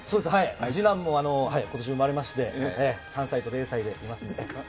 次男も今年産まれまして３歳と０歳でいますんで。